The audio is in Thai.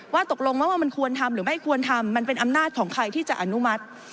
ตกลงว่ามันควรทำหรือไม่ควรทำมันเป็นอำนาจของใครที่จะอนุมัติ